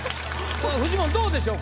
フジモンどうでしょう？